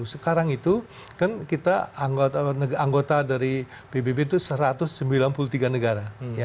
sekarang itu kan kita anggota dari pbb itu satu ratus sembilan puluh tiga negara